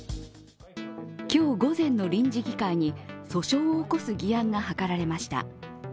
今日午前の臨時議会に訴訟を起こす議案が諮られました。